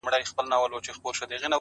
هغه چي ماته يې په سرو وینو غزل ليکله ـ